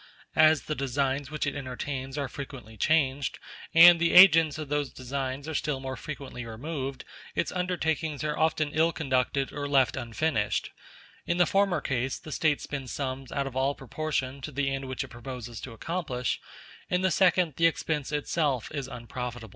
As the designs which it entertains are frequently changed, and the agents of those designs are still more frequently removed, its undertakings are often ill conducted or left unfinished: in the former case the State spends sums out of all proportion to the end which it proposes to accomplish; in the second, the expense itself is unprofitable.